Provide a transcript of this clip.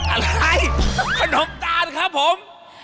อะไรขนมตาลครับผม